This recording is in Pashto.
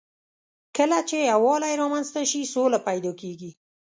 کله چې یووالی رامنځ ته شي، سوله پيدا کېږي.